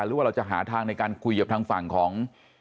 หรือว่าเราจะหาทางในการคุยกับทางฝั่งของ